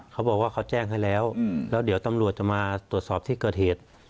เขาบอกว่าเขาแจ้งให้แล้วแล้วเดี๋ยวตำรวจจะมาตรวจสอบที่เกิดเหตุ